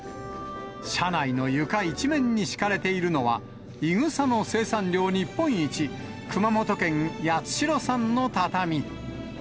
車内の床一面に敷かれているのは、いぐさの生産量日本一、熊本県八代産の畳。